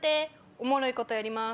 「おもろいことやります」